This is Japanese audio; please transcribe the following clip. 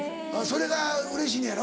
それがうれしいのやろ。